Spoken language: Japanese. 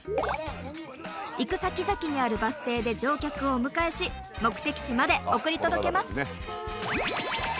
行く先々にあるバス停で乗客をお迎えし目的地まで送り届けます。